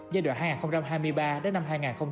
giai đoạn hai nghìn hai mươi ba đến năm hai nghìn ba mươi